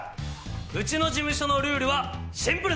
うちの事務所のルールはシンプルだ！